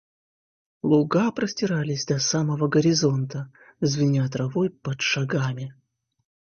Луга простирались до самого горизонта, звеня травой под шагами.